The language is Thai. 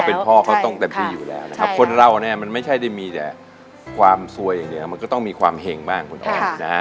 เป็นพ่อเขาต้องเต็มที่อยู่แล้วนะครับคนเราเนี่ยมันไม่ใช่ได้มีแต่ความซวยอย่างเดียวมันก็ต้องมีความเห็งบ้างคุณอ้อมนะฮะ